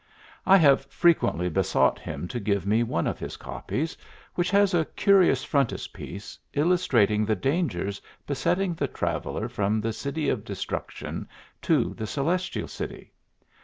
I have frequently besought him to give me one of his copies, which has a curious frontispiece illustrating the dangers besetting the traveller from the City of Destruction to the Celestial City.